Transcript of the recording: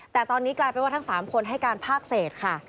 แต่ตอนนี้กลายเป็นว่าทั้ง๓คนให้การภาคเศษค่ะ